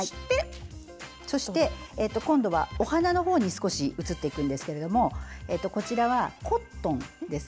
そして、今度はお花のほうに移っていくんですがこちらは、コットンです。